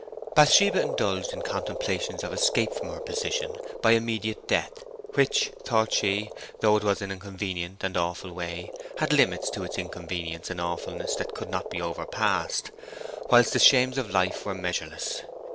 Bathsheba indulged in contemplations of escape from her position by immediate death, which, thought she, though it was an inconvenient and awful way, had limits to its inconvenience and awfulness that could not be overpassed; whilst the shames of life were measureless.